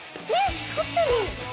光ってる！